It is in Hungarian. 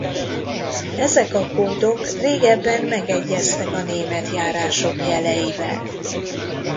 Ezek a kódok régebben megegyeztek a német járások jeleivel.